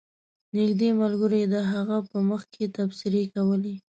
نږدې ملګرو یې د هغه په مخ کې تبصرې کولې.